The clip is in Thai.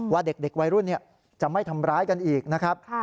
ว่าเด็กวัยรุ่นจะไม่ทำร้ายกันอีกนะครับ